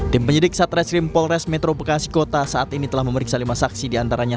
tim penyidik satreskrim polres metro bekasi kota saat ini telah memeriksa lima saksi diantaranya